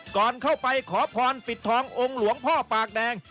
ก่อนเข้าไปขอพรปิดทององค์หลวงพ่อปากแดง